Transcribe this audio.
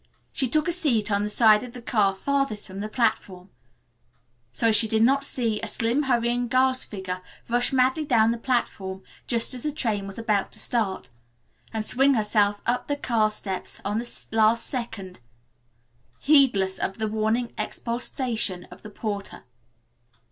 She took a seat on the side of the car farthest from the platform, so she did not see a slim hurrying girl's figure rush madly down the platform, just as the train was about to start, and swing herself up the car steps on the last second, heedless of the warning expostulation of the porter.